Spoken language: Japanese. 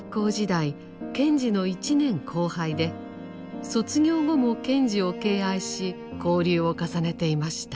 賢治の１年後輩で卒業後も賢治を敬愛し交流を重ねていました。